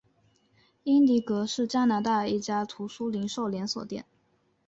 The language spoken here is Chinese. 英迪戈是加拿大一家图书零售连锁店。